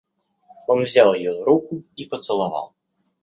Он взял ее руку и поцеловал.